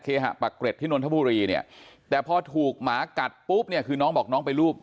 หะปักเกร็ดที่นนทบุรีเนี่ยแต่พอถูกหมากัดปุ๊บเนี่ยคือน้องบอกน้องไปรูป